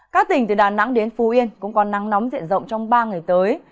các tỉnh từ đà nẵng đến phú yên cũng có nắng nóng diện rộng trong ba ngày tới